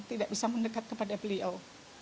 tidak bisa mendekat kepada beliau